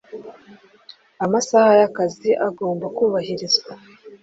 amasaha y’akazi agomba kubahirizwa